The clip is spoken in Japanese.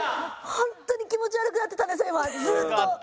ホントに気持ち悪くなってたんですよ